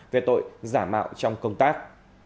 về tội giả mạo trong công tác